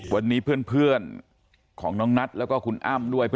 วันนี้เพื่อนของน้องนัทแล้วก็คุณอ้ำด้วย